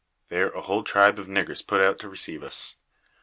There a whole tribe of niggers put out to receive us.